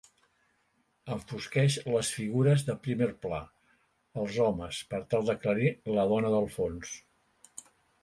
Enfosqueix les figures de primer pla, els homes, per tal d'aclarir la dona del fons.